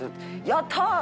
「やった！